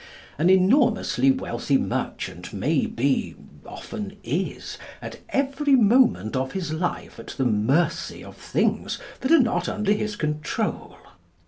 An enormously wealthy merchant may be—often is—at every moment of his life at the mercy of things that are not under his control.